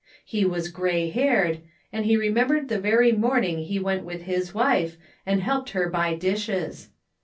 He was gray haired, and he remembered the very morning he went with his wife and helped her buy dishes.